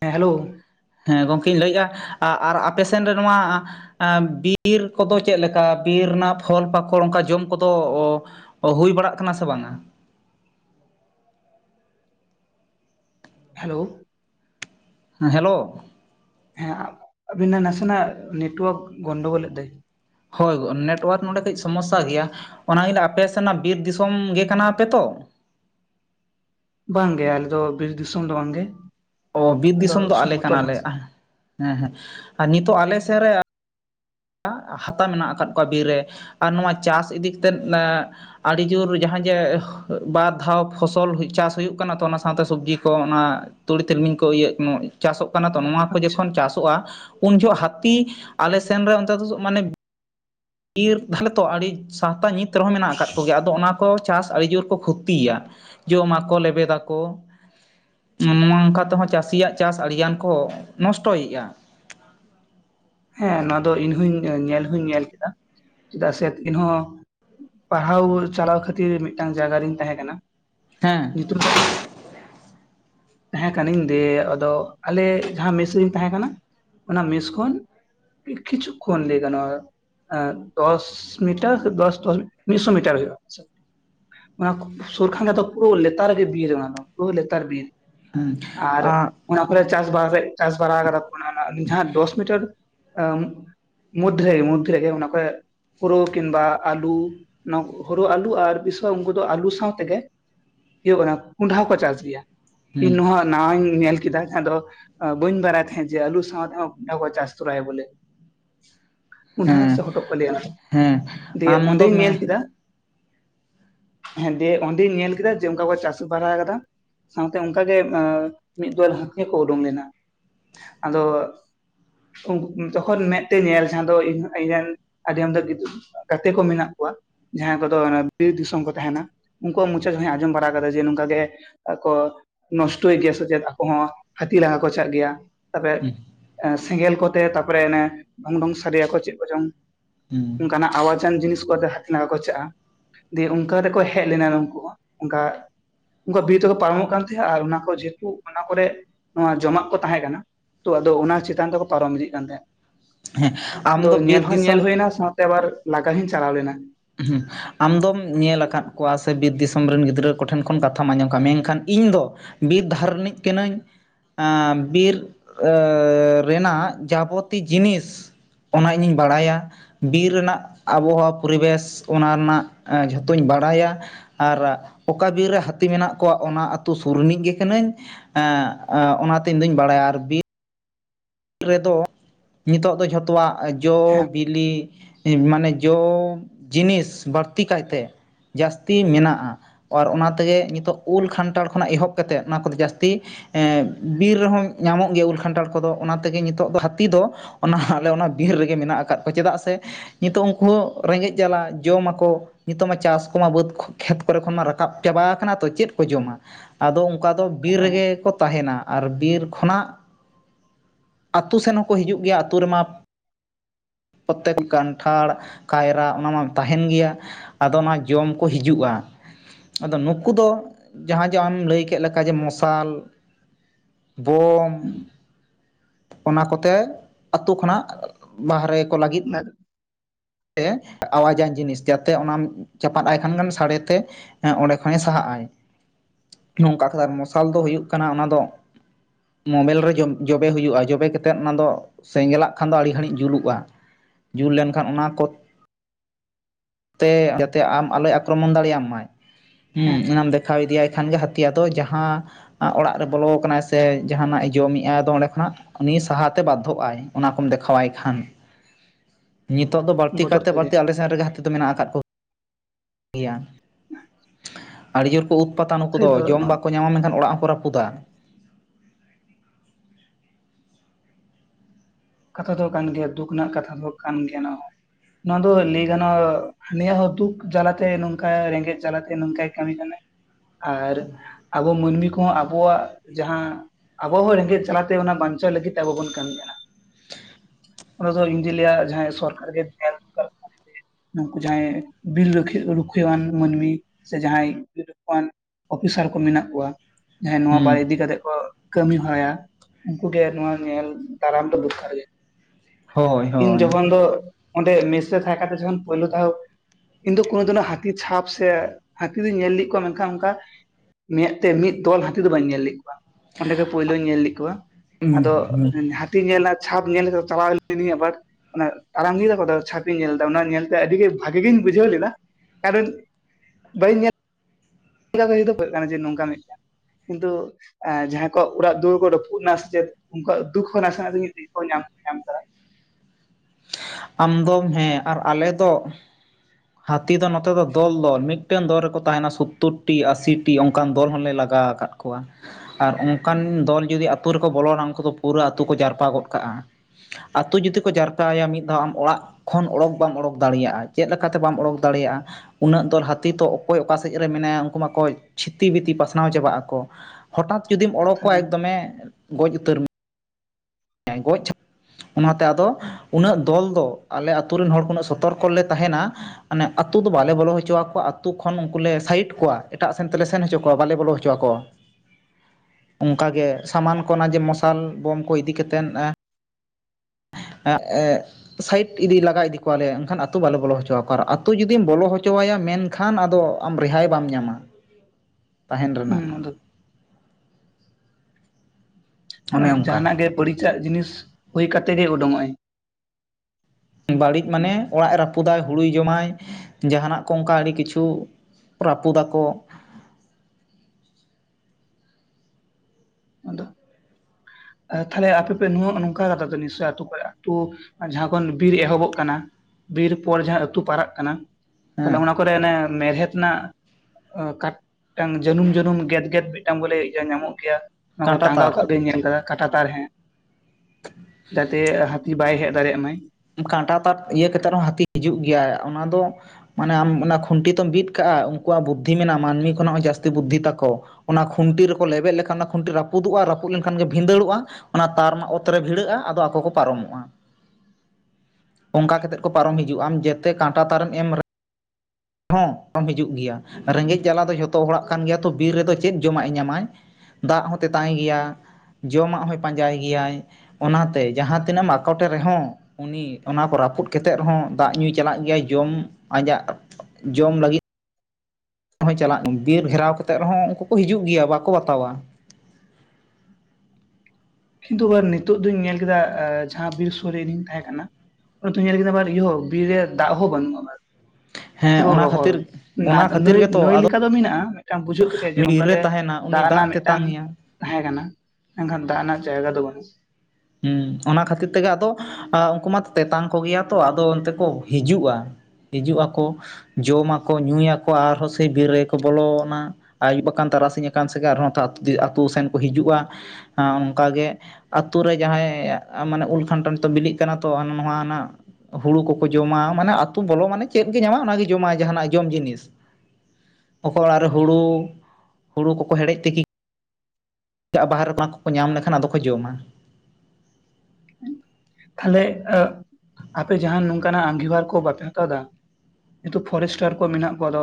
ᱦᱮᱸ ᱦᱮᱞᱳ ᱦᱮᱸ ᱜᱚᱢᱠᱮᱧ ᱞᱟᱹᱭᱮᱜᱼᱟ ᱟᱨ ᱟᱯᱮ ᱥᱮᱱ ᱨᱮ ᱱᱚᱣᱟ ᱵᱤᱨ ᱠᱚᱫᱚ ᱪᱮᱫ ᱞᱮᱠᱟ ᱵᱤᱨ ᱨᱮᱱᱟᱜ ᱯᱷᱚᱞ ᱯᱟᱠᱷᱚᱞ ᱚᱱᱠᱟ ᱡᱚᱢ ᱠᱚᱫᱚ ᱚ ᱦᱩᱭ ᱵᱟᱲᱟᱜ ᱠᱟᱱᱟ ᱥᱮ ᱵᱟᱝᱼᱟ ᱦᱮᱞᱳ ᱦᱮᱸ ᱦᱮᱞᱳ ᱦᱮᱸ ᱟᱵᱤᱱ ᱱᱟᱥᱮᱱᱟᱜ ᱱᱮᱴᱣᱟᱨᱠ ᱜᱚᱱᱰᱚ ᱜᱳᱞ ᱞᱮᱫ ᱫᱚᱭ ᱦᱳᱭ ᱜᱚ ᱱᱮᱴᱚᱣᱟᱨᱠ ᱱᱚᱰᱮ ᱠᱟᱹᱡ ᱥᱚᱢᱚᱥᱥᱟ ᱜᱮᱭᱟ ᱚᱱᱟᱜᱤᱧ ᱞᱟ. ᱭ ᱟᱯᱮ ᱥᱮᱱᱟ ᱵᱤᱨ ᱫᱤᱥᱚᱢ ᱜᱮ ᱠᱟᱱᱟᱯᱮ ᱛᱚ ᱵᱟᱝᱜᱮ ᱟᱞᱮ ᱫᱚ ᱵᱤᱨ ᱫᱤᱥᱚᱢ ᱫᱚ ᱵᱟᱝ ᱜᱮ ᱚ ᱵᱤᱨ ᱫᱤᱥᱚᱢ ᱫᱚ ᱟᱞᱮ ᱠᱟᱱᱟᱞᱮ ᱦᱮᱸ ᱦᱮᱸ ᱟᱨ ᱱᱤᱛᱚᱜ ᱟᱞᱮ ᱥᱮᱫ ᱨᱮ ᱦᱟᱛᱟ ᱢᱮᱱᱟᱜ ᱟᱠᱟᱫ ᱠᱚᱣᱟ ᱵᱤᱨ ᱨᱮ ᱟᱨ ᱱᱚᱣᱟ ᱪᱟᱥ ᱤᱫᱤ ᱠᱟᱛᱮᱫ ᱟᱹᱰᱤ ᱡᱩᱨ ᱡᱟᱦᱟᱸ ᱡᱮ ᱵᱟᱨ ᱫᱷᱟᱣ ᱯᱷᱚᱥᱚᱞ ᱪᱟᱥ ᱦᱳᱭᱳᱜ ᱠᱟᱱᱟ ᱛᱚ ᱚᱱᱟ ᱥᱟᱶᱛᱮ ᱥᱚᱵᱽᱡᱤ ᱠᱚ ᱚᱱᱟ ᱛᱩᱲᱤ ᱛᱤᱞᱢᱤᱧ ᱠᱚ ᱤᱭᱟᱹᱜ ᱪᱟᱥᱚᱜ ᱠᱟᱱᱟ ᱛᱚ ᱱᱚᱣᱟ ᱠᱚ ᱟᱪᱪᱷᱟ ᱡᱚᱠᱷᱚᱱ ᱪᱟᱥᱚᱜᱼᱟ ᱩᱱ ᱡᱚᱦᱚᱜ ᱦᱟᱹᱛᱤ ᱟᱞᱮ ᱥᱮᱱ ᱨᱮ ᱚᱱᱛᱮ ᱫᱚ ᱢᱟᱱᱮ ᱵᱤᱨ ᱫᱷᱟᱞᱮ ᱛᱚ ᱟᱹᱰᱤ ᱥᱟᱶᱛᱟ ᱧᱤᱛ ᱨᱮᱦᱚᱸ ᱢᱮᱱᱟᱜ ᱟᱠᱟᱫ ᱠᱚ ᱜᱮᱭᱟ ᱚᱱᱟ ᱠᱚ ᱪᱟᱥ ᱟᱹᱰᱤ ᱡᱳᱨ ᱠᱚ ᱠᱷᱚᱛᱤᱭᱟ ᱡᱚᱢᱟᱠᱚ ᱞᱮᱵᱮᱫᱟᱠᱚ ᱱᱚ [unintelligible] ᱚᱱᱠᱟ ᱛᱮᱦᱚᱸ ᱪᱟᱹᱥᱤᱭᱟᱜ ᱪᱟᱥ ᱟᱹᱰᱤᱜᱟᱱ ᱠᱚ ᱱᱚᱥᱴᱚᱭᱮᱫᱼᱟ ᱦᱮᱸ ᱱᱚᱶᱟ ᱫᱚ ᱤᱧ ᱦᱩᱧ ᱧᱮᱞ ᱦᱩᱧ ᱧᱮᱞ ᱠᱮᱫᱟ ᱪᱮᱫᱟᱜ ᱥᱮ ᱤᱧᱦᱚᱸ ᱯᱟᱲᱦᱟᱣ ᱪᱟᱞᱟᱣ ᱠᱷᱟᱹᱛᱤᱨ ᱢᱤᱫᱴᱟᱝ ᱡᱟᱭᱟᱨᱤᱧ ᱛᱟᱸᱦᱮ ᱠᱟᱱᱟ ᱦᱮᱸ [unintelligible] ᱛᱟᱦᱮᱸ ᱠᱟᱱᱤᱧ ᱫᱤᱭᱮ ᱟᱫᱚ ᱟᱞᱮ ᱡᱟᱦᱟ ᱢᱮᱥ ᱨᱤᱧ ᱛᱟᱸᱦᱮ ᱠᱟᱱᱟ ᱚᱱᱟ ᱢᱮᱥ ᱠᱷᱚᱱ ᱠᱤᱪᱩ ᱠᱷᱚᱱ ᱞᱟᱹᱭ ᱜᱟᱱᱚᱜ-ᱟ ᱮᱸ ᱫᱚᱥ ᱢᱤᱴᱟᱨ ᱥᱮ ᱫᱚᱥ ᱫᱚᱥ ᱢᱤᱫᱥᱚ ᱢᱤᱴᱟᱨ ᱦᱳᱭᱳᱜ-ᱟ ᱚᱱᱟ ᱥᱩᱨ ᱠᱷᱟᱱ ᱜᱮ ᱛᱚ ᱯᱩᱨᱟᱹ ᱞᱮᱛᱟᱨ ᱜᱮ ᱵᱤᱨ ᱢᱮᱱᱟᱜᱼᱟ ᱯᱩᱨᱟᱹ ᱞᱮᱛᱟᱨ ᱵᱤᱨ ᱦᱩᱸ ᱟᱨ ᱟᱜ ᱚᱱᱟ ᱠᱚᱨᱮ ᱪᱟᱥ ᱵᱟᱥᱮ ᱪᱟᱥ ᱵᱟᱲᱟ ᱠᱟᱫᱟ ᱡᱟᱦᱟᱸ ᱫᱚᱥ ᱢᱤᱴᱟᱨ ᱢᱚᱫᱫᱷᱮ ᱨᱮᱜᱮ ᱢᱚᱫᱫᱷ ᱨᱮᱜᱮ ᱚᱱᱟ ᱠᱚ ᱦᱩᱲᱩ ᱠᱤᱢᱵᱟ ᱟᱹᱞᱩ ᱦᱩᱲᱩ ᱟᱞᱩ ᱟᱨ ᱛᱤᱥ ᱦᱚᱸᱩᱱᱠᱩ ᱫᱚ ᱟᱞᱩ ᱥᱟᱶᱛᱮᱜᱮ ᱦᱩᱭᱩᱜ ᱠᱟᱱᱟ ᱠᱚᱸᱰᱷᱟ ᱠᱚ ᱪᱟᱥ ᱜᱮᱭᱟ ᱤᱧ ᱱᱚᱣᱟ ᱱᱟᱣᱟᱧ ᱧᱮᱞ ᱠᱮᱫᱟ ᱫᱚ ᱵᱟᱹᱧ ᱵᱟᱲᱟᱭ ᱛᱟᱦᱮᱸᱜ ᱡᱮ ᱟᱞᱩ ᱥᱟᱶᱛᱮᱦᱚᱸ ᱠᱚᱸᱰᱷᱟ ᱠᱚ ᱪᱟᱥ ᱛᱚᱨᱟᱭᱟ ᱵᱚᱞᱮ [inaudible] ᱠᱚᱸᱰᱷᱟ ᱦᱮᱸ ᱥᱮ ᱦᱚᱴᱚᱜ ᱠᱚ ᱞᱟᱹᱭᱟ ᱚᱱᱟ ᱫᱚ ᱦᱮᱸ ᱫᱤᱭᱮ ᱟᱢ ᱫᱚ ᱚᱸᱰᱮᱧ ᱢᱮ ᱧᱮᱞ ᱠᱮᱫᱟ ᱦᱮᱸ ᱫᱤᱭᱮ ᱚᱸᱰᱮᱧ ᱧᱮᱞ ᱠᱮᱫᱟ ᱡᱮ ᱚᱱᱠᱟ ᱠᱚ ᱪᱟᱥ ᱵᱟᱲᱟ ᱟᱠᱟᱫᱟ ᱚᱱᱛᱮ ᱚᱱᱠᱟ ᱜᱮ ᱮ ᱢᱤᱫ ᱵᱟᱹᱫᱽ ᱦᱟᱹᱛᱤ ᱠᱚ ᱳᱰᱳᱸᱜ ᱞᱮᱱᱟ ᱟᱫᱚ ᱩᱱ ᱡᱚᱠᱷᱚᱱ ᱢᱮᱫ ᱛᱮ ᱧᱮᱞ ᱡᱟᱸᱦᱟᱫᱚ ᱤᱧ ᱤᱧ ᱨᱮᱱ ᱟᱹᱰᱤ ᱟᱢᱫᱟ ᱜᱮ ᱜᱟᱛᱮ ᱠᱚ ᱢᱮᱱᱟᱜ ᱠᱚᱣᱟ ᱡᱟᱦᱟᱸᱭ ᱠᱚᱫᱚ ᱵᱤᱨ ᱫᱤᱥᱚᱢ ᱠᱚ ᱛᱟᱦᱮᱱᱟ ᱩᱱᱠᱩᱣᱟᱜ ᱢᱚᱪᱟ ᱡᱟᱦᱟᱧ ᱟᱸᱡᱚᱢ ᱵᱟᱲᱟ ᱠᱟᱫᱟ ᱡᱮ ᱱᱚᱝᱠᱟ ᱜᱮ ᱟᱠᱚ ᱱᱚᱥᱴᱚᱭ ᱜᱮᱭᱟ ᱥᱮ ᱟᱪᱮᱫ ᱟᱠᱚ ᱦᱚᱸ ᱦᱟᱹᱛᱤ ᱞᱟᱜᱟ ᱠᱚ ᱪᱟᱜ ᱜᱮᱭᱟ ᱛᱟᱯᱮ ᱦᱩᱸ ᱥᱮᱸᱜᱮᱞ ᱠᱚᱛᱮ ᱛᱟᱨᱯᱚᱨᱮ ᱚᱱᱮ ᱰᱚᱝᱰᱷᱚᱝ ᱥᱟᱰᱮᱭᱟ ᱠᱚ ᱪᱮᱫ ᱠᱚ ᱪᱚᱝ ᱦᱩᱸ ᱚᱱᱠᱟᱱᱟᱜ ᱟᱣᱟᱡᱟᱱ ᱡᱤᱱᱤᱥ ᱠᱚᱛᱮ ᱦᱟᱹᱛᱤ ᱞᱟᱜᱟ ᱠᱚ ᱪᱟᱜᱼᱟ ᱫᱤᱭᱮ ᱚᱱᱠᱟ ᱛᱮᱠᱚ ᱦᱮᱡ ᱞᱮᱱᱟ ᱱᱩᱠᱩ ᱦᱚᱸᱚᱱᱠᱟ ᱩᱱᱠᱩ ᱵᱤᱨ ᱛᱮᱠᱚ ᱯᱟᱨᱚᱢᱚᱜ ᱠᱟᱱ ᱛᱮ ᱟᱨ ᱚᱱᱟ ᱠᱚ ᱡᱮᱦᱮᱛᱩ ᱚᱱᱟ ᱠᱚᱨᱮ ᱱᱚᱶᱟ ᱡᱚᱢᱟᱜ ᱠᱚ ᱛᱟᱦᱮ ᱠᱟᱱᱟ ᱛᱚ ᱟᱫᱚ ᱚᱱᱟ ᱪᱮᱛᱟᱱ ᱛᱮᱠᱚ ᱯᱟᱨᱚᱢ ᱤᱫᱤᱜ ᱠᱟᱱ ᱛᱟᱦᱮᱸᱫ ᱦᱮᱸ ᱟᱢ ᱟᱫᱚ ᱫᱚ ᱧᱮᱞ ᱵᱤᱨ ᱦᱚᱸ ᱧᱮᱞ ᱫᱤᱥᱚᱢ ᱦᱩᱭᱱᱟ ᱥᱟᱶᱛᱮ ᱟᱵᱟᱨ ᱞᱟᱜᱟ ᱦᱩᱧ ᱪᱟᱞᱟᱣ ᱞᱮᱱᱟ ᱦᱩᱸ ᱟᱢᱫᱢ ᱧᱮᱞ ᱟᱠᱟᱫ ᱠᱚᱣᱟ ᱥᱮ ᱵᱤᱨ ᱫᱤᱥᱚᱢ ᱨᱮᱱ ᱜᱤᱫᱽᱨᱟᱹ ᱠᱚᱴᱷᱮᱱ ᱠᱷᱚᱱ ᱠᱟᱛᱷᱟᱢ ᱟᱸᱡᱚᱢ ᱠᱟᱜᱼᱟ, ᱢᱮᱱᱠᱷᱟᱱ ᱤᱧ ᱫᱚ ᱵᱤᱨ ᱫᱷᱟᱨᱮ ᱨᱤᱱᱤᱡ ᱠᱟᱹᱱᱟᱹᱧ᱾ ᱮᱸᱻ ᱵᱤᱨ ᱨᱮᱱᱟᱜ ᱡᱟᱵᱚᱛᱤ ᱡᱤᱱᱤᱥ ᱚᱱᱟ ᱤᱧᱤᱧ ᱵᱟᱲᱟᱭᱟ ᱵᱤᱨ ᱨᱮᱱᱟᱜ ᱟᱵᱚᱦᱟᱣᱟ ᱯᱚᱨᱤᱵᱮᱥ ᱚᱱᱟ ᱨᱮᱱᱟᱜ ᱡᱷᱚᱛᱚᱧ ᱵᱟᱲᱟᱭᱟ᱾ ᱟᱨ ᱚᱠᱟ ᱵᱤᱨ ᱨᱮ ᱦᱟᱹᱛᱤ ᱢᱮᱱᱟᱜ ᱠᱚᱣᱟ, ᱚᱱᱟ ᱟᱹᱛᱩ ᱥᱩᱨ ᱨᱤᱱᱤᱡ ᱜᱮ ᱠᱟᱹᱱᱟᱹᱧ᱾ ᱮᱸᱜ ᱚᱱᱟᱛᱮ ᱤᱧ ᱫᱩᱧ ᱵᱟᱲᱟᱭᱟ ᱟᱨ ᱵᱤᱨ ᱨᱮᱫᱚ ᱱᱤᱛᱚᱜ ᱫᱚ ᱡᱷᱚᱛᱚᱣᱟᱜ ᱡᱚ ᱦᱮᱸ ᱵᱤᱞᱤ ᱢᱟᱱᱮ ᱡᱚ ᱡᱤᱱᱤᱥ ᱵᱟᱹᱲᱛᱤ ᱠᱟᱭᱛᱮ ᱡᱟᱹᱥᱛᱤ ᱢᱮᱱᱟᱜᱼᱟ᱾ ᱟᱨ ᱚᱱᱟ ᱛᱮᱜᱮ ᱱᱤᱛᱚᱜ ᱩᱞ ᱠᱷᱟᱱᱴᱷᱟᱲ ᱠᱷᱚᱱᱟᱜ ᱮᱦᱚᱵ ᱠᱟᱛᱮᱫ ᱚᱱᱟ ᱠᱚᱫᱚ ᱡᱟᱹᱥᱛᱤ ᱮᱸᱻ ᱵᱤᱨ ᱨᱮᱦᱚᱸ ᱧᱟᱢᱚᱜ ᱜᱮᱭᱟ ᱩᱞ ᱠᱷᱟᱱᱴᱷᱟᱲ ᱠᱚᱫᱚ᱾ ᱚᱱᱟ ᱛᱮᱜᱮ ᱱᱤᱛᱚᱜ ᱫᱚ ᱦᱟᱹᱛᱤ ᱫᱚ ᱚᱱᱟ ᱟᱞᱮ ᱚᱱᱟ ᱵᱤᱨ ᱨᱮᱜᱮ ᱢᱮᱱᱟᱜ ᱟᱠᱟᱫ ᱠᱚᱣᱟ ᱪᱮᱫᱟᱜ ᱥᱮ ᱱᱤᱛᱚᱜ ᱩᱱᱠᱩ ᱦᱚᱸ ᱨᱮᱸᱜᱮᱡ ᱡᱟᱞᱟ ᱡᱚᱢ ᱟᱠᱚ ᱱᱤᱛᱚᱜ ᱢᱟ ᱪᱟᱥ ᱠᱚᱢᱟ ᱵᱟᱹᱫᱽ ᱠᱷᱮᱛ ᱠᱚᱨᱮ ᱠᱷᱚᱱ ᱢᱟ ᱨᱟᱠᱟᱵ ᱪᱟᱵᱟ ᱠᱟᱱᱟ ᱛᱚ ᱪᱮᱫ ᱠᱚ ᱡᱚᱢᱟ? ᱟᱫᱚ ᱚᱝᱠᱟ ᱫᱚ ᱵᱤᱨ ᱠᱟᱛᱷᱟ ᱦᱚᱸ ᱨᱮᱜᱮ ᱠᱚ ᱛᱟᱦᱮᱱᱟ ᱟᱨ ᱵᱤᱨ ᱠᱷᱚᱱᱟᱜ ᱟᱹᱛᱩ ᱥᱮᱱ ᱦᱚᱸᱠᱚ ᱦᱤᱡᱩᱜ ᱜᱮᱭᱟᱼᱟ, ᱟᱹᱛᱩ ᱨᱮ ᱢᱟ ᱯᱨᱚᱛᱛᱮᱠ ᱠᱟᱱᱴᱷᱟᱲ ᱠᱟᱭᱨᱟ, ᱚᱱᱟ ᱢᱟ ᱛᱟᱦᱮᱱ ᱜᱮᱭᱟ᱾ ᱟᱫᱚ ᱚᱱᱟ ᱡᱚᱢ ᱠᱚ ᱦᱤᱡᱩᱜᱼᱟ᱾ ᱟᱫᱚ ᱱᱩᱠᱩ ᱫᱚ ᱡᱟᱦᱟᱸ ᱡᱮ ᱟᱢᱮᱢ ᱞᱟᱹᱭ ᱠᱮᱫ ᱞᱮᱠᱟ ᱡᱮ ᱢᱚᱥᱟᱞ ᱵᱳᱢ ᱚᱱᱟ ᱠᱚᱛᱮ ᱟᱹᱛᱩ ᱠᱷᱚᱱᱟᱜ ᱵᱟᱦᱨᱮ ᱠᱚ ᱞᱟᱹᱜᱤᱫ ᱦᱮᱸ ᱛᱮ ᱟᱣᱟᱡᱟᱱ ᱡᱤᱱᱤᱥ ᱡᱟᱛᱮ ᱚᱱᱟᱢ ᱪᱟᱯᱟᱫ ᱟᱭ ᱠᱷᱟᱱ ᱥᱟᱰᱮ ᱛᱮ ᱮᱸᱻ ᱚᱸᱰᱮ ᱠᱷᱚᱱᱮ ᱥᱟᱦᱟᱜᱼᱟᱭ᱾ ᱱᱚᱝᱠᱟ [unintelligible] ᱢᱚᱥᱟᱞ ᱫᱚ ᱦᱩᱭᱩᱜ ᱠᱟᱱᱟ ᱚᱱᱟ ᱫᱚ ᱢᱳᱵᱮᱞ ᱨᱮ ᱡᱚᱢ ᱡᱚᱵᱮ ᱦᱩᱭᱩᱜᱼᱟ, ᱡᱚᱵᱮ ᱠᱟᱛᱮᱫ ᱚᱱᱟ ᱫᱚ ᱥᱮᱸᱜᱮᱞᱟᱜ ᱠᱷᱟᱱ ᱫᱚ ᱟᱹᱰᱤ ᱜᱷᱟᱹᱲᱤᱡ ᱡᱩᱞᱩᱜᱼᱟ᱾ ᱡᱩᱞ ᱞᱮᱱᱠᱷᱟᱱ ᱚᱱᱟ ᱠᱚ ᱛᱮ ᱡᱟᱛᱮ ᱟᱢ ᱟᱞᱚᱭ ᱟᱠᱨᱚᱢᱚᱱ ᱫᱟᱲᱮᱭᱟᱢ ᱢᱟᱭ ᱦᱩᱸ ᱚᱱᱟᱢ ᱫᱮᱠ ᱫᱮᱠᱷᱟᱣ ᱤᱫᱤᱭᱟᱭ ᱠᱷᱟᱱ ᱜᱮ ᱦᱟᱹᱛᱤᱭᱟ ᱫᱚ ᱡᱟᱦᱟᱸ ᱚᱲᱟᱜ ᱨᱮ ᱵᱚᱞᱚ ᱟᱠᱟᱱᱟᱭ ᱥᱮ ᱡᱟᱦᱟᱱᱟᱜᱼᱮ ᱡᱚᱢᱮᱜᱼᱟ ᱛᱚ ᱚᱸᱰᱮ ᱠᱷᱚᱱᱟᱜ ᱩᱱᱤ ᱥᱟᱦᱟᱛᱮ ᱵᱟᱫᱽᱫᱷᱚᱜ ᱟᱭ ᱚᱱᱟᱠᱢ ᱫᱮᱠᱷᱟᱣᱟᱭ ᱠᱷᱟᱱ᱾ ᱱᱤᱛᱚᱜ ᱫᱚ ᱵᱟᱹᱲᱛᱤ ᱵᱚᱛᱚᱨ ᱠᱟᱭᱛᱮ ᱛᱮᱜᱮ ᱵᱟᱹᱲᱛᱤ ᱟᱞᱮ ᱥᱮᱱ ᱨᱮᱜᱮ ᱦᱟᱹᱛᱤ ᱫᱚ ᱢᱮᱱᱟᱜ ᱟᱠᱟᱫ ᱠᱚ ᱜᱮᱭᱟ, ᱟᱹᱰᱤ ᱡᱳᱨ ᱠᱚ ᱩᱛᱯᱟᱛᱟ ᱱᱩᱠᱩ ᱫᱚ ᱡᱚᱢ ᱵᱟᱠᱚ ᱧᱟᱢᱟ ᱢᱮᱱᱠᱷᱟᱱ ᱚᱲᱟᱜ ᱦᱚᱸᱠᱚ ᱨᱟᱹᱯᱩᱫᱟ᱾ ᱠᱟᱛᱷᱟ ᱫᱚ ᱠᱟᱱ ᱜᱮᱭᱟ, ᱫᱩᱠ ᱨᱮᱱᱟᱜ ᱠᱟᱛᱷᱟ ᱫᱚ ᱠᱟᱱ ᱜᱮᱭᱟ ᱚᱱᱟ ᱦᱚᱸ ᱱᱚᱣᱟ ᱫᱚ ᱞᱟᱹᱭ ᱜᱟᱱᱚᱜᱼᱟ ᱱᱚᱣᱟ ᱦᱚᱸ ᱫᱩᱠ ᱡᱟᱞᱟᱛᱮ ᱱᱚᱝᱠᱟ ᱨᱮᱸᱜᱮᱡ ᱡᱟᱞᱟᱛᱮ ᱱᱚᱝᱠᱟᱭ ᱠᱟᱹᱢᱤ ᱠᱟᱱᱟᱭ᱾ [inaudible] ᱟᱨ [unintelligible] ᱟᱵᱚ ᱢᱟᱹᱱᱢᱤ ᱠᱚᱦᱚᱸ ᱟᱵᱚᱣᱟᱜ ᱡᱟᱦᱟᱸ ᱟᱵᱚ ᱦᱚᱸ ᱨᱮᱸᱜᱮᱡ ᱡᱟᱞᱟᱛᱮ ᱚᱱᱟ ᱵᱟᱧᱪᱟᱣ ᱞᱟᱹᱜᱤᱫ ᱛᱮ ᱟᱵᱚ ᱵᱚᱱ ᱠᱟᱹᱢᱤ ᱠᱟᱱᱟ᱾ ᱚᱱᱟ ᱫᱚ ᱤᱧ ᱫᱩᱧ ᱞᱟᱹᱭᱟ ᱡᱟᱦᱟᱸᱭ ᱥᱚᱨᱠᱟᱨ ᱜᱮ ᱫᱷᱮᱭᱟᱱ ᱫᱚᱨᱠᱟᱨ ᱠᱟᱱᱟ᱾ ᱱᱩᱠᱩ ᱡᱟᱦᱟᱸᱭ ᱵᱤᱨ ᱨᱩᱠᱷ ᱨᱩᱠᱭᱟᱹᱣᱟᱱ ᱢᱟᱹᱱᱢᱤ ᱥᱮ ᱡᱟᱦᱟᱸᱭ [unintelligible] ᱚᱯᱤᱥᱟᱨ ᱠᱚ ᱢᱮᱱᱟᱜ ᱠᱚᱣᱟ᱾ ᱡᱟᱦᱟᱸᱭ ᱱᱚᱣᱟ ᱵᱟᱭ ᱦᱩᱸ ᱤᱫᱤ ᱠᱟᱛᱮᱜ ᱠᱚ ᱠᱟᱹᱢᱤ ᱦᱚᱨᱟᱭᱟ ᱩᱱᱠᱩᱜᱮ ᱱᱚᱣᱟ ᱧᱮᱞ ᱫᱟᱨᱟᱢ ᱫᱚ ᱫᱚᱨ ᱦᱳᱭ [unintelligible] ᱤᱧ ᱦᱳᱭ ᱡᱚᱠᱷᱚᱱ ᱫᱚ ᱚᱸᱰᱮ ᱢᱮᱥ ᱨᱮ ᱛᱟᱦᱮᱸ ᱠᱟᱛᱮᱫ ᱡᱚᱠᱷᱚᱱ ᱯᱳᱭᱞᱳ ᱫᱷᱟᱣ ᱤᱧ ᱫᱚ ᱠᱳᱱᱳ ᱫᱤᱱᱳ ᱦᱟᱹᱛᱤ ᱪᱷᱟᱯ ᱥᱮ ᱦᱟᱹᱛᱤ ᱫᱚᱧ ᱧᱮᱞ ᱞᱮᱫ ᱠᱚᱣᱟ ᱢᱮᱱᱠᱷᱟᱱ ᱚᱱᱠᱟ ᱢᱮᱸᱫ ᱛᱮ ᱢᱤᱫ ᱫᱚᱞ ᱦᱟᱹᱛᱤ ᱫᱚ ᱵᱟᱹᱧ ᱧᱮᱞ ᱞᱮᱫ ᱠᱚᱣᱟ᱾ ᱚᱸᱰᱮᱜᱮ ᱯᱳᱭᱞᱳᱧ ᱧᱮᱞ ᱞᱮᱫ ᱠᱚᱣᱟ ᱟᱫᱚ ᱦᱟᱛᱤ ᱧᱮᱞ ᱪᱷᱟᱯ ᱧᱮᱞ ᱠᱚ ᱪᱟᱞᱟᱣ ᱞᱤᱱᱤᱧ ᱟᱵᱟᱨ ᱚᱱᱟ ᱛᱟᱲᱟᱢ ᱤᱫᱤᱭ ᱫᱟᱠᱚ ᱪᱷᱟᱯᱤᱧ ᱧᱮᱞ ᱞᱮᱫᱟ, ᱚᱱᱟ ᱧᱮᱞᱛᱮ ᱟᱹᱰᱤ ᱵᱷᱟᱜᱮ ᱜᱤᱧ ᱵᱩᱡᱷᱟᱹᱣ ᱞᱮᱫᱟ᱾ ᱠᱟᱨᱚᱱ ᱵᱟᱹᱧ ᱧᱮᱞ [unintelligible] ᱦᱩᱭᱩᱜ ᱠᱟᱱᱟ ᱡᱮ ᱱᱚᱝᱠᱟ ᱢᱤᱫᱴᱟᱝ ᱠᱤᱱᱛᱩ ᱮᱸᱻ ᱡᱟᱦᱟᱸᱭ ᱠᱚᱣᱟᱜ ᱚᱲᱟᱜ ᱫᱩᱣᱟᱹᱨ ᱠᱚ ᱨᱟᱹᱯᱩᱫ ᱱᱟ ᱥᱮᱪᱮᱫ ᱩᱱᱠᱩᱣᱟᱜ ᱫᱩᱠ ᱦᱚᱸ ᱱᱟᱥᱮᱱᱟᱜ ᱛᱮ ᱫᱚ ᱧᱟᱢ ᱟᱠᱟᱫᱟ᱾ ᱟᱢᱫᱚᱢ ᱦᱮᱸ, ᱟᱨ ᱟᱞᱮ ᱫᱚ ᱦᱟᱹᱛᱤ ᱫᱚ ᱱᱚᱛᱮ ᱫᱚ ᱫᱚᱞ ᱫᱚᱞ, ᱢᱤᱫᱴᱟᱹᱝ ᱫᱚᱞ ᱨᱮᱠᱚ ᱛᱟᱦᱮᱸᱱᱟ ᱥᱩᱛᱛᱩᱨ ᱴᱤ ᱟᱹᱥᱥᱤ ᱴᱤ ᱚᱱᱠᱟᱱ ᱫᱚᱞ ᱦᱚᱸᱞᱮ ᱞᱟᱜᱟ ᱟᱠᱟᱫ ᱠᱚᱣᱟ᱾ ᱟᱨ ᱚᱱᱠᱟᱱ ᱫᱚᱞ ᱡᱩᱫᱤ ᱟᱹᱛᱩ ᱨᱮᱠᱚ ᱵᱚᱞᱚᱱᱟ ᱩᱱᱠᱩ ᱫᱚ ᱯᱩᱨᱟᱹ ᱟᱹᱛᱩ ᱠᱚ ᱡᱟᱨᱯᱟ ᱜᱚᱫ ᱠᱟᱜᱼᱟ᱾ ᱟᱹᱛᱩ ᱡᱩᱫᱤ ᱠᱚ ᱡᱟᱨᱠᱟᱣᱮᱭᱟ ᱢᱤᱫ ᱫᱷᱟᱣ ᱟᱢ ᱚᱲᱟᱜ ᱠᱷᱚᱱ ᱚᱲᱳᱠ ᱵᱟᱢ ᱚᱲᱳᱠ ᱫᱟᱲᱮᱭᱟᱜᱼᱟ ᱾ ᱪᱮᱫ ᱞᱮ ᱠᱟᱛᱮ ᱵᱟᱢ ᱚᱲᱚᱠ ᱫᱟᱲᱮᱭᱟᱜᱼᱟ᱾ ᱩᱱᱟᱹᱜ ᱫᱚᱞ ᱦᱟᱹᱛᱤ ᱛᱚ ᱾ ᱚᱠᱚᱭ ᱚᱠᱟ ᱥᱮᱫ ᱨᱮ ᱢᱮᱱᱟᱭᱟ ᱩᱱᱠᱩ ᱢᱟᱠᱚ ᱪᱷᱤᱛᱤ ᱵᱤᱛᱤ ᱯᱟᱥᱱᱟᱣ ᱪᱟᱵᱟᱜ ᱟᱠᱚ᱾ ᱦᱚᱴᱟᱛ ᱡᱩᱫᱤᱢ ᱠᱟᱛᱷᱟ ᱚᱲᱚᱠᱚᱜᱼᱟ ᱜᱮ ᱮᱠᱫᱚᱢᱮ ᱜᱚᱡ ᱩᱛᱟᱹᱨ ᱢᱮ ᱦᱮᱸ ᱜᱚᱪᱷ [unintelligible] ᱚᱱᱟᱛᱮ ᱟᱫᱚ ᱩᱱᱟᱹᱜ ᱫᱚᱞ ᱫᱚ ᱟᱞᱮ ᱟᱹᱛᱩ ᱨᱤᱱ ᱦᱚᱲ ᱠᱚ ᱩᱱᱟᱹᱜ ᱥᱚᱛᱚᱨᱠᱚ ᱞᱮ ᱛᱟᱦᱮᱱᱟ ᱢᱟᱱᱮ ᱟᱹᱛᱩ ᱫᱚ ᱵᱟᱞᱮ ᱵᱚᱞᱚ ᱦᱚᱪᱚᱣᱟᱠᱚᱣᱟ, ᱟᱹᱛᱩ ᱠᱷᱚᱱ ᱩᱱᱠᱩᱞᱮ ᱥᱟᱭᱤᱰ ᱠᱚᱣᱟ ᱾ ᱮᱴᱟᱜ ᱥᱮᱱ ᱛᱮᱞᱮ ᱥᱮᱱ ᱦᱚᱪᱚ ᱠᱚᱣᱟ ᱵᱟᱞᱮ ᱵᱚᱞᱚ ᱦᱚᱪᱚᱣᱟᱠᱚᱣᱟ᱾ ᱚᱱᱠᱟ ᱜᱮ ᱥᱟᱢᱟᱱ ᱠᱚᱱᱟ ᱡᱮ ᱢᱚᱥᱟᱞ ᱵᱳᱢ ᱠᱚ ᱤᱫᱤ ᱠᱟᱛ ᱮᱱ ᱮ [inaudible] ᱟᱸ ᱮ ᱾ ᱥᱟᱭᱤᱰ ᱤᱫᱤ ᱞᱟᱜᱟ ᱤᱫᱤ ᱠᱚᱣᱟᱞᱮ ᱾ᱮᱱᱠᱷᱟᱱ ᱟᱹᱛᱩ ᱵᱟᱞᱮ ᱵᱚᱞᱚ ᱦᱚᱪᱚᱣᱟᱠᱚᱣᱟ᱾ ᱟᱨ ᱟᱹᱛᱩ ᱡᱩᱫᱤᱢ ᱵᱚᱞᱚ ᱦᱚᱪᱚᱣᱟᱭᱟ ᱢᱮᱱ ᱠᱷᱟᱱ ᱟᱫᱚ ᱟᱢ ᱨᱮᱦᱟᱭ ᱵᱟᱢ ᱧᱟᱢᱟ, ᱛᱟᱦᱮᱸᱱ ᱨᱮᱱᱟᱜ᱾ ᱦᱩᱸ ᱟᱫᱚ ᱩᱱ ᱚᱱᱮ ᱚᱱᱠᱟ ᱡᱟᱦᱱᱟᱜ ᱜᱮ ᱯᱚᱲᱤᱪᱟᱜ ᱡᱤᱱᱤᱥ ᱦᱩᱭ ᱠᱟᱛᱮ ᱜᱮ ᱩᱵᱩᱝᱚᱜᱼᱟᱹᱧ ᱾ ᱵᱟᱹᱲᱤᱡ ᱢᱟᱱᱮ ᱚᱲᱟᱜᱼᱮ ᱨᱟᱹᱯᱩᱫᱟᱭ, ᱦᱩᱲᱩᱭ ᱡᱚᱢᱟᱭ ᱡᱟᱦᱟᱱᱟᱜ ᱠᱚ ᱚᱱᱠᱟ ᱟᱹᱰᱤ ᱠᱤᱪᱷᱩ᱾ ᱨᱟᱹᱯᱩᱫᱟᱠᱚ᱾ ᱟᱫᱚ [inaudible] ᱟᱹ ᱛᱟᱦᱞᱮ ᱟᱹᱛᱩ ᱯᱮ ᱱᱚᱜᱼᱚ ᱱᱚᱝᱠᱟ ᱠᱟᱫᱟ ᱛᱚ ᱱᱤᱥᱟᱹ ᱟᱹᱛᱩ ᱠᱚᱨᱮ ᱟᱹᱛᱩ ᱡᱟᱦᱟᱸ ᱠᱷᱚᱱ ᱵᱤᱨ ᱮᱦᱚᱵᱚᱜ ᱠᱟᱱᱟ, ᱵᱤᱨ ᱯᱚᱨ ᱡᱟᱦᱟᱸ ᱟᱹᱛᱩ ᱯᱟᱨᱟᱜ ᱠᱟᱱᱟ᱾ ᱛᱟᱦᱞᱮ ᱦᱮᱸ ᱚᱱᱟ ᱠᱚᱨᱮ ᱚᱱᱮ ᱢᱮᱬᱦᱮᱫ ᱨᱮᱱᱟᱜ ᱠᱟᱴ ᱴᱟᱝ ᱡᱟᱹᱱᱩᱢ ᱡᱟᱹᱱᱩᱢ ᱜᱮᱫ ᱜᱮᱫ ᱢᱤᱫᱴᱟᱝ ᱵᱚᱞᱮ ᱤᱭᱟᱹ ᱧᱟᱢᱚᱜ ᱜᱮᱭᱟ ᱚᱱᱟ ᱠᱚ ᱠᱟᱸᱴᱟ ᱴᱟᱸᱜᱟᱣ ᱛᱟᱨ ᱠᱟᱜ ᱵᱤᱱ ᱧᱮᱞ ᱫᱟ ᱠᱟᱴᱟ ᱛᱟᱨ ᱦᱮᱸ᱾ [inaudible] ᱡᱟᱛᱮ ᱦᱟᱹᱛᱤ ᱵᱟᱭ ᱦᱮᱡ ᱫᱟᱲᱮᱭᱟᱜ ᱢᱟᱭ᱾ ᱠᱟᱸᱴᱟ ᱛᱟᱨ ᱤᱭᱟᱹ ᱠᱟᱛᱮᱫ ᱨᱮᱦᱚᱸ ᱦᱟᱹᱛᱤ ᱦᱤᱡᱩᱜ ᱜᱮᱭᱟᱭ ᱾ ᱚᱱᱟ ᱫᱚ ᱢᱟᱱᱮ ᱟᱢ ᱚᱱᱟ ᱠᱷᱩᱱᱴᱤ ᱛᱚᱢ ᱵᱤᱫ ᱠᱟᱜᱼᱟ ᱾ ᱩᱱᱠᱩᱣᱟᱜ ᱵᱩᱫᱽᱫᱷᱤ ᱢᱮᱱᱟᱜᱼᱟ ᱢᱟᱹᱱᱢᱤ ᱠᱷᱚᱱᱟᱜ ᱦᱚᱸ ᱡᱟᱹᱥᱛᱤ ᱵᱩᱫᱽᱫᱷᱤ ᱛᱟᱠᱚ᱾ ᱚᱱᱟ ᱠᱷᱩᱱᱴᱤ ᱨᱮᱠᱚ ᱞᱮᱵᱮᱫ ᱞᱮᱠᱷᱟᱱ ᱚᱱᱟ ᱠᱷᱩᱱᱴᱤ ᱨᱟᱹᱯᱩᱫᱚᱜᱼᱟ, ᱨᱟᱹᱯᱩᱫ ᱞᱮᱱᱠᱷᱟᱱ ᱜᱮ ᱵᱷᱤᱱᱫᱟᱹᱲᱚᱜᱼᱟ᱾ ᱚᱱᱟ ᱛᱟᱨ ᱢᱟ ᱚᱛ ᱨᱮ ᱵᱷᱤᱲᱟᱹᱜᱼᱟ᱾ ᱟᱫᱚ ᱟᱠᱚ ᱠᱚ ᱯᱟᱨᱚᱢᱚᱜᱼᱟ᱾ ᱚᱱᱠᱟ ᱠᱟᱛᱮᱫ ᱠᱚ ᱯᱟᱨᱚᱢ ᱦᱤᱡᱩᱜᱼᱟ᱾ ᱟᱢ ᱡᱮᱛᱮ ᱠᱟᱸᱴᱟ ᱛᱟᱨᱮᱢ ᱮᱢ ᱨᱮ ᱦᱚᱸ [inaudible] ᱦᱚᱸ ᱦᱤᱡᱩᱜ ᱜᱮᱭᱟ ᱾ ᱨᱮᱸᱜᱮᱡ ᱡᱟᱞᱟ ᱫᱚ ᱡᱚᱛᱚ ᱦᱚᱲᱟᱜ ᱠᱟᱱ ᱜᱮᱭᱟ ᱛᱚ, ᱵᱤᱨ ᱨᱮᱫᱚ ᱪᱮᱫ ᱡᱚᱢᱟᱜᱼᱮ ᱧᱟᱢᱟᱭ? ᱫᱟᱜ ᱦᱚᱸ ᱛᱮᱛᱟᱝ-ᱮ ᱜᱮᱭᱟ, ᱡᱚᱢᱟᱜ ᱦᱚᱸᱭ ᱯᱟᱸᱡᱟᱭ ᱜᱮᱭᱟᱭ ᱚᱱᱟᱛᱮ ᱡᱟᱦᱟᱸ ᱛᱤᱱᱟᱹᱜ ᱮᱢ ᱟᱠᱚᱴᱮ ᱨᱮᱦᱚᱸ ᱩᱱᱤ ᱚᱱᱟ ᱠᱚ ᱨᱟᱹᱯᱩᱫ ᱠᱮᱛᱮᱫ ᱨᱮᱦᱚᱸ ᱫᱟᱜ ᱧᱩᱭ ᱪᱟᱞᱟᱜ ᱜᱮᱭᱟᱭ ᱡᱚᱢ ᱟᱡᱟᱜ ᱡᱚᱢ ᱞᱟᱹᱜᱤᱫ᱾ ᱦᱚᱭ ᱪᱟᱞᱟᱜ [inaudible] ᱵᱤᱨ ᱜᱷᱮᱨᱟᱣ ᱠᱟᱛᱮᱫ ᱨᱮᱦᱚᱸ ᱩᱱᱠᱩ ᱠᱚ ᱦᱤᱡᱩᱜ ᱜᱮᱭᱟ ᱵᱟᱠᱚ ᱵᱟᱛᱟᱣᱟ᱾ ᱠᱤᱱᱛᱩ ᱟᱨ ᱱᱤᱛᱚᱜ ᱫᱚᱧ ᱧᱮᱞ ᱠᱮᱫᱟ ᱟᱹ ᱡᱟᱦᱟᱸ ᱵᱤᱨ ᱥᱩᱨ ᱨᱮ ᱤᱧᱤᱧ ᱛᱟᱦᱮᱸ ᱠᱟᱱᱟ ᱾ ᱚᱱᱮ ᱛᱩᱧ ᱧᱮᱞ ᱠᱮᱫᱟ ᱵᱟᱨ ᱤᱭᱟᱹ ᱦᱚ ᱵᱤᱨ ᱨᱮ ᱫᱟᱜ ᱦᱚᱸ ᱵᱟᱹᱱᱩᱜ-ᱟ᱾ ᱵᱟᱨ ᱦᱮᱸ ᱯᱩᱨᱟᱹ ᱚᱱᱟ ᱨᱚᱦᱚᱲ᱾ ᱠᱷᱟᱹᱛᱤᱨ ᱱᱟᱠ ᱚᱱᱟ ᱠᱷᱟᱹᱛᱤᱨ ᱱᱩᱭ, ᱜᱮᱛᱚ ᱱᱩᱭ ᱟᱫᱚ ᱞᱮᱠᱟ ᱫᱚ ᱢᱮᱱᱟᱜᱼᱟ ᱢᱤᱫᱴᱟᱝ ᱵᱩᱡᱷᱟᱹᱜ ᱠᱟᱛᱮᱫ ᱡᱮ ᱵᱤᱨ ᱱᱚᱝᱠᱟ ᱛᱮ ᱨᱮ ᱛᱟᱦᱮᱱᱟ ᱫᱟᱜ ᱩᱱᱤ ᱨᱮᱱᱟᱜ ᱢᱤᱫᱴᱟᱝ ᱛᱮᱛᱟᱝ ᱮᱭᱟ ᱛᱟᱦᱮᱸ ᱠᱟᱱᱟ᱾ ᱢᱮᱱᱠᱷᱟᱱ ᱫᱟᱜ ᱨᱮᱱᱟᱜ ᱡᱟᱭᱜᱟ ᱫᱚ ᱵᱟᱹᱱᱩᱜᱼᱟ ᱾ ᱦᱮᱸ ᱚᱱᱟ ᱠᱷᱟᱹᱛᱤᱨ ᱛᱮᱜᱮ ᱟᱫᱚ ᱟᱸ ᱩᱱᱠᱩ ᱢᱟ ᱛᱮᱛᱟᱝ ᱠᱚᱜᱮᱭᱟ ᱛᱚ, ᱟᱫᱚ ᱚᱱᱛᱮ ᱠᱚ ᱦᱤᱡᱩᱜᱼᱟ᱾ ᱦᱤᱡᱩᱜ ᱟᱠᱚ, ᱡᱚᱢᱟ ᱠᱚ, ᱧᱩᱭᱟ ᱠᱚ ᱟᱨᱦᱚᱸ ᱥᱮᱭ ᱵᱤᱨ ᱨᱮᱜᱮ ᱠᱚ ᱵᱚᱞᱚᱱᱟ᱾ ᱟᱹᱭᱩᱵ ᱟᱠᱟᱱ ᱛᱟᱨᱟᱥᱤᱧ ᱟᱠᱟᱱ ᱥᱮᱜᱮ ᱟᱨᱦᱚᱸ ᱛᱷᱟᱜ ᱛᱩ ᱟᱹᱛᱩ ᱥᱮᱱ ᱠᱚ ᱦᱤᱡᱩᱜᱼᱟ᱾ ᱦᱟᱸ ᱚᱱᱠᱟ ᱜᱮ ᱾ ᱟᱹᱛ ᱟᱹᱛᱩ ᱨᱮ ᱡᱟᱦᱟᱸᱭ ᱢᱟᱱᱮ ᱩᱞ ᱠᱷᱟᱱᱴᱟᱲ ᱱᱤᱛᱚᱜ ᱵᱤᱞᱤᱜ ᱠᱟᱱᱟ ᱛᱚ᱾ ᱱᱚᱣᱟ ᱱᱷᱟᱜ ᱦᱩᱲᱩ ᱠᱚᱠᱚ ᱡᱚᱢᱟ᱾ ᱢᱟᱱᱮ ᱟᱛᱩ ᱵᱚᱞᱚ ᱢᱟᱱᱮ ᱪᱮᱫ ᱜᱮ ᱧᱟᱢᱟᱭ ᱚᱱᱟ ᱜᱮ ᱡᱚᱢᱟᱭ ᱡᱟᱦᱟᱱᱟᱜ ᱡᱚᱢ ᱡᱤᱱᱤᱥ᱾ ᱚᱠᱚᱭ ᱚᱲᱟᱜ ᱨᱮ ᱦᱳᱲᱳ, ᱦᱳᱲᱳ ᱠᱚᱠᱚ ᱦᱮᱲᱮᱡ ᱛᱤᱠᱤ ᱪᱟᱜᱼᱟ᱾ ᱵᱟᱦᱟᱨ ᱨᱮ ᱚᱱᱟ ᱠᱚᱠᱚ ᱧᱟᱢ ᱞᱮᱠᱷᱟᱱ ᱟᱫᱚ ᱠᱚ ᱡᱚᱢᱟ᱾ ᱛᱟᱦᱞᱮ ᱟᱹᱜ ᱟᱯᱮ ᱡᱟᱦᱟᱱ ᱱᱚᱝᱠᱟᱱᱟᱜ ᱟᱸᱜᱤᱵᱦᱟᱨ ᱠᱚ ᱵᱟᱯᱮ ᱦᱟᱛᱟᱣ ᱫᱟ᱾ ᱱᱤᱛᱚᱜ ᱯᱷᱚᱨᱮᱥᱴᱟᱨ ᱠᱚ ᱢᱮᱱᱟᱜ ᱠᱚᱣᱟ ᱫᱚ᱾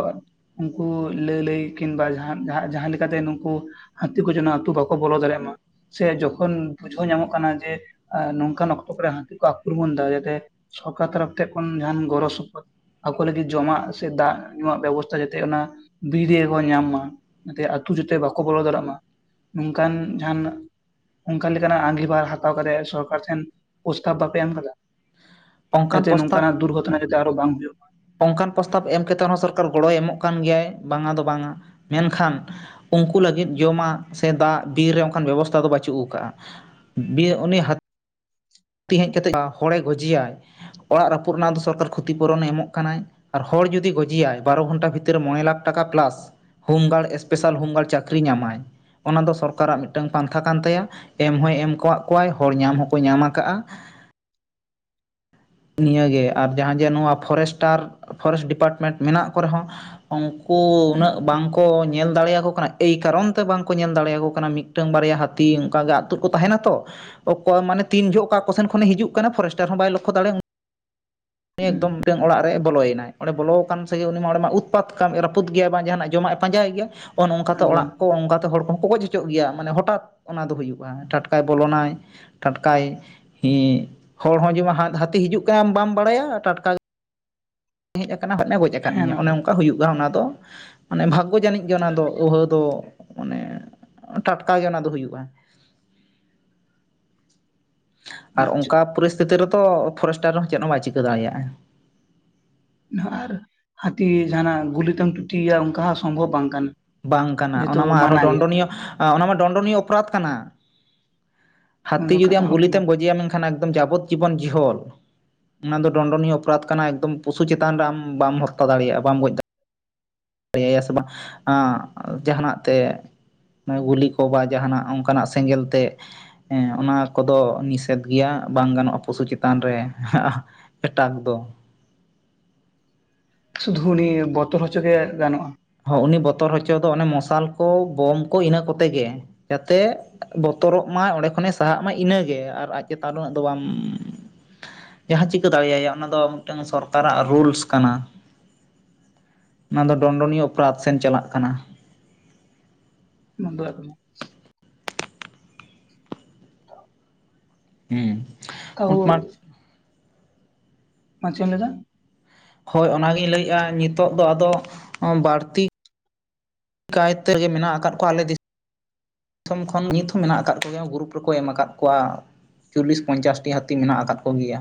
ᱩᱱᱠᱩ ᱞᱟᱹ ᱞᱟᱹᱭ ᱠᱤᱱ ᱵᱟ ᱡᱟᱦᱟᱸᱱ ᱡᱟᱦᱟᱸ-ᱡᱟᱦᱟᱸ ᱞᱮᱠᱟᱛᱮ ᱱᱩᱠᱩ ᱦᱟᱹᱛᱤ ᱠᱚ ᱡᱚᱱᱟ ᱟᱹᱛᱩ ᱵᱟᱠᱚ ᱵᱚᱞᱚ ᱫᱟᱲᱮᱭᱟᱜ ᱢᱟ᱾ ᱥᱮ ᱡᱚᱠᱷᱚᱱ ᱵᱩᱡᱷᱟᱹᱣ ᱧᱟᱢᱚᱜ ᱠᱟᱱᱟ ᱡᱮ ᱮᱸ ᱱᱚᱝᱠᱟᱱ ᱚᱠ ᱚᱠᱟᱨᱮ ᱦᱟᱹᱛᱤ ᱠᱚ ᱟᱠᱨᱚᱢᱚᱱᱫᱟ ᱡᱟᱛᱮ ᱥᱚᱨᱠᱟᱨ ᱛᱟᱨᱟᱯᱷ ᱛᱮ ᱠᱷᱚᱱ ᱡᱟᱦᱟᱱ ᱜᱚᱲᱚ ᱥᱚᱯᱚᱦᱚᱫ᱾ ᱟᱠᱚ ᱞᱟᱹᱜᱤᱫ ᱡᱚᱢᱟᱜ ᱥᱮ ᱫᱟᱜ ᱧᱩᱣᱟᱜ ᱵᱮᱵᱚᱥᱛᱷᱟ ᱡᱮᱛᱮ ᱚᱱᱟ ᱵᱤᱨ ᱨᱮᱜᱮᱠᱚ ᱧᱟᱢ ᱢᱟ᱾ ᱚᱱᱟᱛᱮ ᱟᱛᱳ ᱡᱟᱛᱮ ᱵᱟᱠᱚ ᱵᱚᱞᱚ ᱫᱟᱲᱮᱭᱟᱜ ᱢᱟ ᱱᱚᱝᱠᱟᱱ ᱡᱟᱦᱟᱱᱟᱜ ᱚᱱᱠᱟ ᱞᱮᱠᱟᱱᱟᱜ ᱟᱸᱜᱤᱵᱷᱟᱨ ᱦᱟᱛᱟᱣ ᱠᱟᱛᱮᱫ ᱥᱚᱨᱠᱟᱨ ᱴᱷᱮᱱ ᱯᱨᱚᱥᱛᱟᱵ ᱵᱟᱯᱮ ᱮᱢ ᱟᱠᱟᱫᱟ ᱚᱱᱠᱟᱱ ᱡᱟᱛᱮ ᱯᱨᱚᱥᱛᱟᱵ ᱱᱚᱝᱠᱟᱱᱟᱜ ᱫᱩᱨᱜᱷᱚᱴᱚᱱᱟ ᱡᱟᱛᱮ ᱟᱨᱚ ᱵᱟᱝ ᱦᱩᱭᱩᱜ ᱢᱟ ᱚᱱᱠᱟᱱ ᱯᱨᱚᱥᱛᱟᱵ ᱮᱢ ᱠᱟᱛᱮᱫ ᱦᱚᱸ ᱥᱚᱨᱠᱟᱨ ᱜᱚᱲᱚᱭ ᱮᱢᱚᱜ ᱠᱟᱱ ᱜᱮᱭᱟᱭ ᱵᱟᱝᱟ ᱫᱚ ᱵᱟᱝᱟ ᱢᱮᱱᱠᱷᱟᱱ ᱩᱱᱠᱩ ᱞᱟᱹᱜᱤᱫ ᱡᱚᱢᱟᱜ ᱥᱮ ᱫᱟᱜ ᱵᱤᱨ ᱨᱮ ᱚᱱᱠᱟᱱ ᱵᱮᱵᱚᱥᱛᱷᱟ ᱫᱚ ᱵᱟᱹᱪᱩᱜ ᱟᱠᱟᱟᱜᱼᱟ ᱵ ᱩᱱᱤ ᱦᱟᱛᱤ ᱦᱮᱡ ᱠᱟᱛᱮᱫ ᱦᱚᱲᱮ ᱜᱚᱡᱮᱟᱭ ᱚᱲᱟᱜ ᱨᱟᱹᱯᱩᱫ ᱨᱮᱱᱟᱜ ᱫᱚ ᱥᱚᱨᱠᱟᱨ ᱠᱷᱚᱛᱤᱯᱩᱨᱩᱨᱚᱱᱮ ᱮᱢᱚᱜ ᱠᱟᱱᱟᱭ ᱟᱨ ᱦᱚᱲ ᱡᱩᱫᱤ ᱜᱚᱡᱤᱭᱟᱭ ᱵᱟᱨᱚ ᱜᱷᱚᱱᱴᱟ ᱵᱷᱤᱛᱤᱨ ᱢᱚᱬᱮ ᱞᱟᱠᱷ ᱴᱟᱠᱟ ᱯᱞᱟᱥ ᱦᱳᱢᱜᱟᱨᱰ ᱮᱥᱯᱮᱥᱟᱞ ᱦᱳᱢᱜᱟᱨᱰ ᱪᱟᱹᱠᱨᱤ ᱧᱟᱢᱟᱭ ᱚᱱᱟ ᱫᱚ ᱥᱚᱨᱠᱟᱨᱟᱜ ᱢᱤᱫᱴᱟᱝ ᱯᱟᱱᱛᱷᱟ ᱠᱟᱱ ᱛᱟᱭᱟ ᱮᱢ ᱦᱚᱭ ᱮᱢ ᱟᱠᱟᱫ ᱠᱚᱣᱟᱭ ᱦᱚᱲ ᱧᱟᱢ ᱦᱚᱸᱠᱚ ᱧᱟᱢᱟ ᱠᱟᱜᱼᱟ ᱱᱤᱭᱟᱹᱜᱮ ᱟᱨ ᱡᱟᱦᱟᱸ ᱡᱮ ᱱᱚᱣᱟ ᱯᱷᱚᱨᱮᱥᱴᱟᱨ ᱯᱷᱚᱨᱮᱥᱴ ᱰᱤᱯᱟᱨᱴᱢᱮᱱᱴ ᱢᱮᱱᱟᱜ ᱠᱚ ᱨᱮᱦᱚᱸ ᱩᱱᱠᱩ ᱩᱱᱟᱹᱜ ᱵᱟᱝᱠᱚ ᱧᱮᱞ ᱫᱟᱲᱮᱭᱟᱠᱚ ᱠᱟᱱᱟ ᱮᱭ ᱠᱟᱨᱚᱱ ᱛᱮ ᱵᱟᱝᱠᱚ ᱧᱮᱞ ᱫᱟᱲᱮᱭᱟᱠᱚ ᱠᱟᱱᱟ ᱢᱤᱫᱴᱟᱝ ᱵᱟᱨᱭᱟ ᱦᱟᱹᱛᱤ ᱚᱱᱠᱟ ᱜᱮ ᱟᱛᱳ ᱨᱮᱠᱚ ᱛᱟᱦᱮᱱᱟ ᱛᱚ ᱚᱠᱚᱭ ᱢᱟᱱᱮ ᱛᱤᱱ ᱡᱚᱦᱚᱜ ᱚᱠᱟ ᱠᱚ ᱥᱮᱱ ᱠᱷᱚᱱᱮ ᱦᱤᱡᱩᱜ ᱠᱟᱱᱟ ᱯᱷᱚᱨᱮᱥᱴᱟᱨ ᱦᱚᱸ ᱵᱟᱭ ᱞᱚᱠᱠᱷᱚ ᱫᱟᱲᱮ ᱦᱮᱸ ᱮᱠᱫᱚᱢ ᱢᱤᱫᱴᱟᱝ ᱚᱲᱟᱜ ᱨᱮᱭ ᱵᱚᱞᱚᱭᱮᱱᱟᱭ ᱚᱸᱰᱮ ᱵᱚᱞᱚ ᱟᱠᱟᱱ ᱥᱮᱜᱮ ᱩᱱᱤ ᱚᱸᱰᱮ ᱢᱟ ᱩᱛᱯᱟᱛ ᱠᱟᱢᱤ ᱨᱟᱹᱯᱩᱫ ᱜᱮᱭᱟ ᱵᱟᱝ ᱡᱟᱦᱟᱱᱟᱜ ᱡᱚᱢᱟᱜᱼᱭ ᱯᱟᱸᱡᱟᱭ ᱜᱮᱭᱟ ᱚᱱᱮ ᱱᱚᱝᱠᱟᱛᱮ ᱮᱠᱫᱚᱢ ᱚᱲᱟᱜ ᱠᱚ ᱚᱱᱠᱟᱛᱮ ᱦᱚᱲ ᱠᱚ ᱜᱚᱡ ᱦᱚᱪᱚ ᱚᱪᱚᱜ ᱜᱮᱭᱟ ᱢᱟᱱᱮ ᱦᱚᱴᱟᱛ ᱚᱱᱟ ᱫᱚ ᱦᱩᱭᱩᱜᱼᱟ ᱴᱷᱟᱴᱠᱟᱭ ᱵᱚᱞᱚᱱᱟᱭ ᱴᱟᱴᱠᱟᱭ ᱦᱚᱲ ᱦᱚᱸ ᱡᱮᱢᱚᱱ ᱦᱟᱹᱛᱤ ᱦᱤᱡᱩᱜ ᱠᱟᱱᱟ ᱵᱟᱢ ᱵᱟᱲᱟᱭᱟ ᱴᱟᱴᱠᱟ ᱦᱮᱡ ᱟᱠᱟᱱᱟ ᱟᱨ ᱮ ᱜᱚᱡ ᱟᱠᱟᱫ ᱦᱮᱸ ᱢᱮᱭᱟ ᱱᱚᱣᱟ ᱚᱱᱮ ᱫᱚ ᱚᱱᱠᱟ ᱦᱩᱭᱩᱜ ᱚᱱᱟ ᱫᱚ ᱢᱟᱱᱮ ᱵᱷᱟᱜᱽᱜᱚ ᱡᱟᱹᱱᱤᱡ ᱜᱮ ᱚᱱᱟ ᱫᱚ ᱟᱹᱦᱟᱹ ᱫᱚ ᱢᱟᱱᱮ ᱴᱟᱴᱠᱟ ᱜᱮ ᱚᱱᱟ ᱫᱚ ᱦᱩᱭᱩᱜᱼᱟ ᱟᱨ ᱚᱪ ᱚᱱᱠᱟ ᱯᱚᱨᱤᱥᱛᱷᱤᱛᱤ ᱨᱮᱫᱚ ᱯᱷᱚᱨᱮᱥᱴᱟᱨ ᱦᱚᱸ ᱪᱮᱫ ᱦᱚᱸ ᱵᱟᱭ ᱪᱤᱠᱟᱹ ᱫᱟᱲᱮᱭᱟᱜᱼᱟ ᱟᱨ ᱦᱟᱹᱛᱤ ᱡᱟᱦᱟᱸᱱᱟᱜ ᱜᱩᱞᱤ ᱛᱮᱢ ᱴᱩᱴᱤᱭᱮᱭᱟ ᱚᱱᱠᱟ ᱦᱚᱸ ᱥᱚᱢᱵᱷᱚᱵᱽ ᱵᱟᱝ ᱠᱟᱱᱟ ᱵᱟᱝ ᱠᱟᱱᱟ ᱡᱮᱦᱮᱛᱩ ᱚᱱᱟ ᱢᱟ ᱟᱨᱦᱚᱸ ᱢᱟᱱᱟ ᱜᱮᱭᱟ ᱰᱚᱱᱰᱚᱱᱤᱭᱚ ᱚᱱᱟ ᱢᱟ ᱰᱚᱱᱰᱚᱱᱤᱭᱚ ᱚᱯᱨᱟᱫᱷ ᱠᱟᱱᱟ ᱚᱱᱟ ᱦᱟᱹᱛᱤ ᱫᱚ ᱡᱩᱫᱤ ᱠᱟᱛᱷᱟ ᱟᱢ ᱦᱚᱸ ᱠᱟᱱᱟ ᱜᱩᱞᱤᱛᱮᱢ ᱜᱚᱡᱮᱭᱟᱢ ᱢᱮᱱᱠᱷᱟᱱ ᱮᱠᱫᱚᱢ ᱡᱟᱵᱚᱛ ᱡᱤᱵᱚᱱ ᱡᱤᱦᱟᱹᱞ ᱚᱱᱟ ᱫᱚ ᱰᱚᱱᱰᱚᱱᱤᱭᱚ ᱚᱯᱚᱨᱟᱛ ᱠᱟᱱᱟ ᱮᱠᱫᱚᱢ ᱯᱚᱥᱩ ᱪᱮᱛᱟᱱ ᱨᱮ ᱟᱢ ᱵᱟᱢ ᱦᱚᱛᱛᱛᱟ ᱫᱟᱲᱮᱭᱟᱜᱼᱟ ᱫᱟᱲᱮᱭᱟᱜᱼᱟ ᱟᱭᱟ ᱥᱮ ᱵᱟᱝ ᱡᱟᱦᱟᱱᱟᱜ ᱛᱮ ᱜᱩᱞᱤ ᱠᱚ ᱵᱟ ᱡᱟᱦᱟᱱᱟᱜ ᱚᱱᱠᱟᱱᱟᱜ ᱥᱮᱸᱜᱮᱞ ᱛᱮ ᱦᱮᱸ ᱚᱱᱟ ᱠᱚᱫᱚ ᱱᱤᱥᱮᱫ ᱜᱮᱭᱟ ᱵᱟᱝ ᱜᱟᱱᱚᱜᱼᱟ ᱯᱚᱥᱩ ᱪᱮᱛᱟᱱ ᱨᱮ ᱮᱴᱟᱠ ᱫᱚ ᱥᱩᱫᱩ ᱩᱱᱤ ᱵᱚᱛᱚᱨ ᱦᱚᱪᱚ ᱜᱮ ᱜᱟᱱᱚᱜᱼᱟ ᱦᱚᱸ ᱩᱱᱤ ᱵᱚᱛᱚᱨ ᱦᱚᱪᱚ ᱫᱚ ᱚᱱᱮ ᱢᱚᱥᱟᱞ ᱠᱚ ᱵᱳᱢ ᱠᱚ ᱤᱱᱟᱹ ᱠᱚᱛᱮ ᱜᱮ ᱡᱟᱛᱮ ᱵᱚᱛᱚᱨᱚᱜ ᱢᱟᱭ ᱚᱸᱰᱮ ᱠᱷᱚᱱᱮ ᱥᱟᱦᱟᱜ ᱢᱟ ᱤᱱᱟᱹᱜᱮ ᱟᱨ ᱟᱡ ᱪᱮᱛᱟᱱ ᱩᱱᱟᱹ ᱫᱚ ᱵᱟᱢ ᱡᱟᱦᱟᱸ ᱪᱤᱠᱟᱹ ᱫᱟᱲᱮ ᱟᱭᱟᱢ ᱚᱱᱟ ᱫᱚ ᱢᱤᱫᱴᱟᱝ ᱥᱚᱨᱠᱟᱨᱟᱜ ᱨᱩᱞᱥ ᱠᱟᱱᱟ ᱚᱱᱟ ᱫᱚ ᱰᱚᱱᱰᱚᱱᱤᱭᱚ ᱚᱯᱚᱨᱟᱫᱷ ᱥᱮᱱ ᱪᱟᱞᱟᱜ ᱠᱟᱱᱟ ᱢᱚᱱ [unintelligible] ᱦᱮ ᱛᱟᱣ ᱢᱳᱴᱢᱟᱴ ᱪᱮᱫ ᱮᱢ ᱞᱟᱹᱭ ᱮᱫᱟ ᱦᱳᱭ ᱚᱱᱟᱜᱤᱧ ᱞᱟᱹᱭᱮᱫᱼᱟ ᱱᱤᱛᱚᱜ ᱫᱚ ᱟᱫᱚ ᱵᱟᱹᱲᱛᱤ ᱞᱟᱭ ᱛᱮᱜᱮ ᱢᱮᱱᱟᱜ ᱟᱠᱟᱫ ᱠᱚᱣᱟ ᱟᱞᱮ ᱫᱤᱥᱚᱢ ᱠᱷᱚᱱ ᱱᱤᱛ ᱦᱚᱸ ᱢᱮᱱᱟᱜ ᱟᱠᱟᱫ ᱠᱚᱜᱮᱭᱟ ᱜᱨᱩᱨᱩᱯ ᱨᱮᱠᱚ ᱮᱢ ᱟᱠᱟᱫ ᱠᱚᱣᱟ ᱪᱚᱞᱞᱤᱥ ᱯᱚᱧᱪᱟᱥᱴᱤ ᱦᱟᱹᱛᱤ ᱢᱮᱱᱟᱜ ᱟᱠᱟᱫ ᱠᱚᱜᱮᱭᱟ